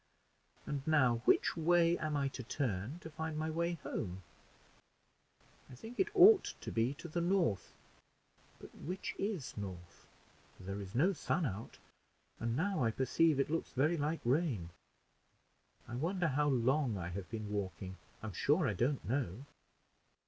And now, which way am I to turn to find my way home? I think it ought to be to the north; but which is north? for there is no sun out, and now I perceive it looks very like rain. I wonder how long I have been walking! I am sure I don't know."